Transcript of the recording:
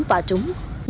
nạn nhân được đưa vào